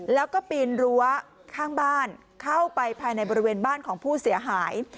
แล้วก็ปีนรั้วข้างบ้านเข้าไปภายในบริเวณบ้านของผู้เสียหาย